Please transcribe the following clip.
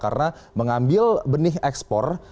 karena mengambil benih ekspor